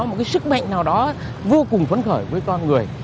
một cái sức mạnh nào đó vô cùng phấn khởi với con người